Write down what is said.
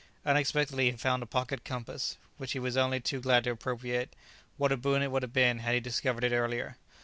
Unexpectedly he found a pocket compass, which he was only too glad to appropriate. What a boon it would have been had he discovered it earlier!